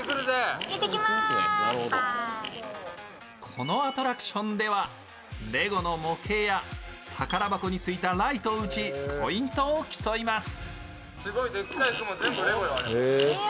このアトラクションではレゴの模型や宝箱についたライトを撃ち、ポイントを競います。